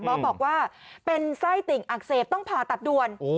บอกว่าเป็นไส้ติ่งอักเสบต้องผ่าตัดด่วน